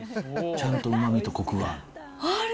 ちゃんとうまみとコクがある。